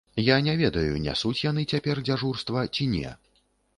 Я не ведаю, нясуць яны цяпер дзяжурства ці не.